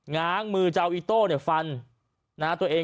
ง้างมือเจ้าอีโต้ฟัน